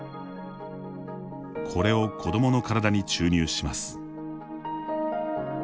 これを子どもの体に注入します。